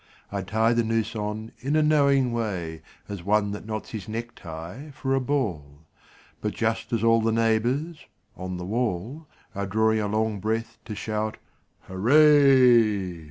I tie the noose on in a knowing way As one that knots his necktie for a ball; But just as all the neighbours on the wall Are drawing a long breath to shout 'Hurray!'